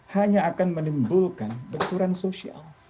hanya akan menimbulkan benturan sosial